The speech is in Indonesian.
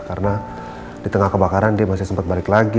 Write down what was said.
karena di tengah kebakaran dia masih sempet balik lagi